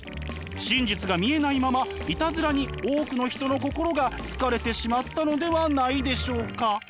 真実が見えないままいたずらに多くの人の心が疲れてしまったのではないでしょうか？